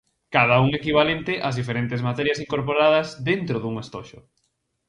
Cada un equivalente ás diferentes materias incorporadas dentro dun estoxo.